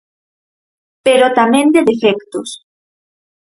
Pero tamén de defectos.